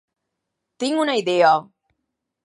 Tinc una idea!